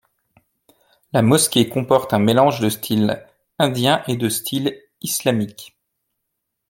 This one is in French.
La mosquée comporte un mélange de style indien et de style islamique.